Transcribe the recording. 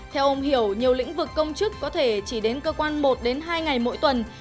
theo ông hiểu nhiều lĩnh vực công chức có thể chỉ đến cơ quan một đến hai ngày mỗi tuần